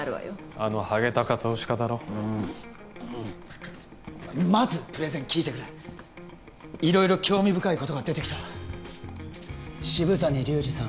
あのハゲタカ投資家だろうんうんまずプレゼン聞いてくれ色々興味深いことが出てきた渋谷隆治さん